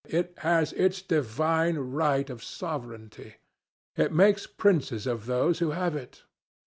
It has its divine right of sovereignty. It makes princes of those who have it.